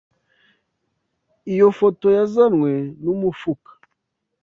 Iyo foto yazanwe numufuka.